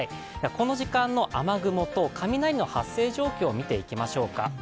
この時間の雨雲と、雷の発生状況を見ていきましょうか。